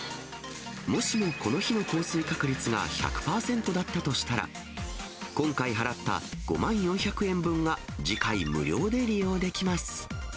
もしも、この日の降水確率が１００％だったとしたら、今回払った５万４００円分が次回無料で利用できます。